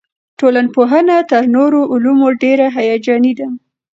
ټولنپوهنه تر نورو علومو ډېره هیجاني ده.